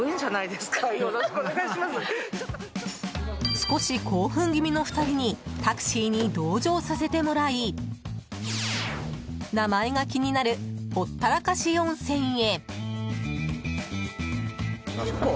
少し興奮気味の２人にタクシーに同乗させてもらい名前が気になるほったらかし温泉へ。